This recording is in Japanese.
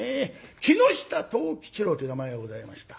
木下藤吉郎という名前がございました。